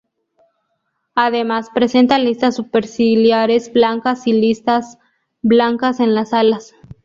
Además presenta listas superciliares blancas y listas blancas en las alas.